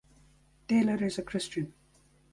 Taylor is a Christian.